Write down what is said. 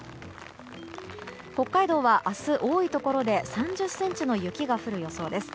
北海道は明日、多いところで３０ｃｍの雪が降る予想です。